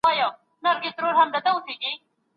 زه بايد لوستل وکړم.